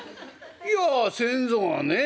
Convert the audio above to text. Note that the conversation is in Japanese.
「いや先祖がね